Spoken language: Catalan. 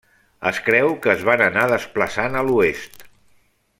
Es creu que es van anar desplaçant a l'oest.